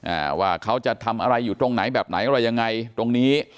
อ่าว่าเขาจะทำอะไรอยู่ตรงไหนแบบไหนอะไรยังไงตรงนี้